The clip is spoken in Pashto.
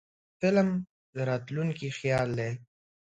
فلم د راتلونکي خیال دی